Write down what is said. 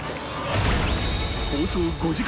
放送５時間！